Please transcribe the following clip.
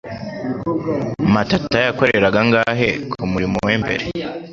matata yakoreraga angahe kumurimo we mbere?